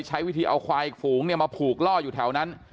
ใช้วิธีเอาควายฝูงมาผูกล่ออยู่แถวนั้น